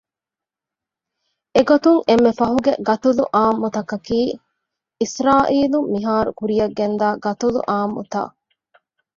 އެގޮތުން އެންމެ ފަހުގެ ގަތުލުއާންމުތަކަކީ އިސްރާއީލުން މިހާރު ކުރިޔަށްގެންދާ ގަތުލުއާންމުތައް